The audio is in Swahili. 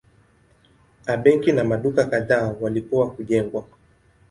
A benki na maduka kadhaa walikuwa kujengwa.